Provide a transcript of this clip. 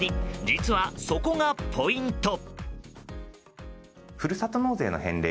実は、そこがポイント。